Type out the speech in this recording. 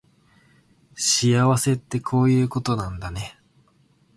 幸せってこういうことなんだね